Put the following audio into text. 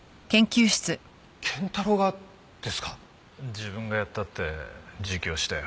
自分がやったって自供したよ。